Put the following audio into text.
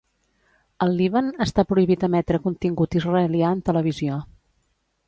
Al Líban, està prohibit emetre contingut israelià en televisió.